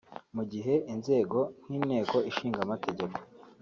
mu gihe inzego nk’inteko ishinga amategeko